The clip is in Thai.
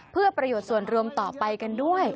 เพื่อประโยชน์ส่วนรวมต่อไปกันด้วย